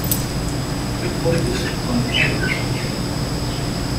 It focused on agriculture.